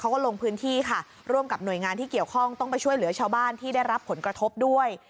เขาก็ลงพื้นที่ค่ะร่วมกับหน่วยงานที่เกี่ยวข้องต้องไปช่วยเหลือชาวบ้านที่ได้รับผลกระทบด้วย